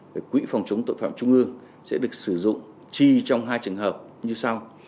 cái quỹ phòng chống tội phạm trung ương sẽ được sử dụng chi trong hai trường hợp như sau